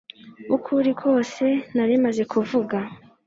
ukuri kose nari maze kuvuga